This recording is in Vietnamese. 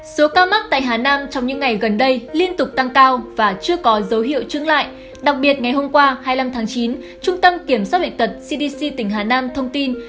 các bạn hãy đăng ký kênh để ủng hộ kênh của chúng mình nhé